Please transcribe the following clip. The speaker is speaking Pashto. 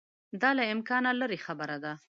دا له امکانه لیري خبره ده.